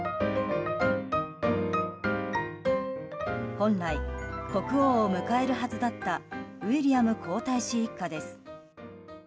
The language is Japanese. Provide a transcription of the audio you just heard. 本来、国王を迎えるはずだったウィリアム皇太子一家です。